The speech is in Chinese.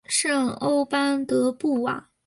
圣欧班德布瓦。